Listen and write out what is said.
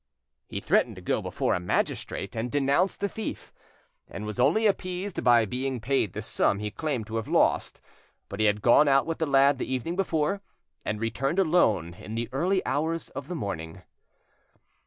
He threatened to go before a magistrate and denounce the thief, and was only appeased by being paid the sum he claimed to have lost. But he had gone out with the lad the evening before, and returned alone in the early hours of the morning.